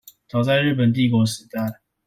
早在日本帝國時代